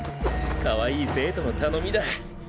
かわいい生徒の頼みだ。